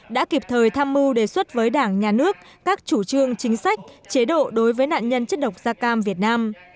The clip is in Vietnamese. đã kịp thời tham mưu đề xuất với đảng nhà nước các chủ trương chính sách chế độ đối với nạn nhân chất độc da cam việt nam